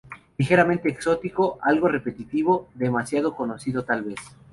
Ligeramente exótico, algo repetitivo, demasiado conocido tal vez.